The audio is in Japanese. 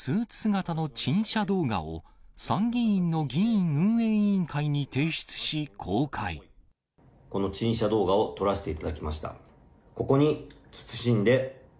その代わりに、事前にスーツ姿の陳謝動画を、参議院の議院運営委員会に提出し、この陳謝動画を撮らせていただきました。